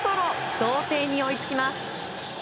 同点に追いつきます。